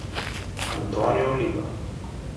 Antonio Oliva